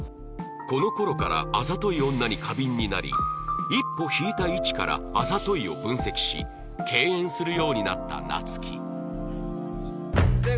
この頃からあざとい女に過敏になり一歩引いた位置から「あざとい」を分析し敬遠するようになった夏希